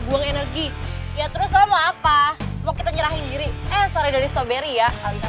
buang energi ya terus lo mau apa mau kita nyerahin diri eh sorry dari stroberi ya